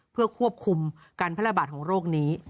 เพื่อควบคุมการแพร่ระบาดของโรคนี้